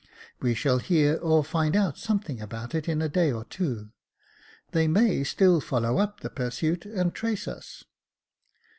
We shall hear or find out something about it in a day or two ; they may still follow up the pursuit and trace us."